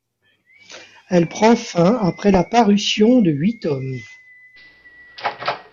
Elle prend fin après la parution de huit tomes.